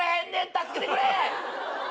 助けてくれ！